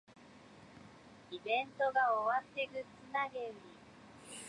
イベントが終わってグッズ投げ売り